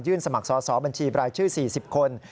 สมัครสอบบัญชีบรายชื่อ๔๐คน